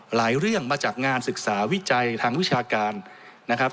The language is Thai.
เรื่องมาจากงานศึกษาวิจัยทางวิชาการนะครับ